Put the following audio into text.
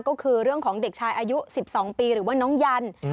ก็คือเรื่องของเด็กชายอายุ๑๒ปีหรือว่าน้องยัน